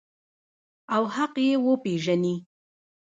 او حق یې وپیژني.